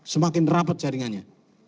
semakin rapat jaringannya